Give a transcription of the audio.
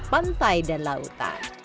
pantai dan air